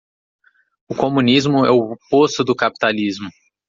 O comunismo é o oposto do capitalismo.